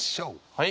はい。